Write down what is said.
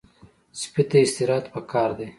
سپي ته استراحت پکار دی.